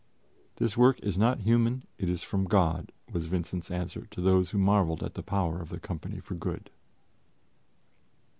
"This work is not human, it is from God," was Vincent's answer to those who marvelled at the power of the company for good.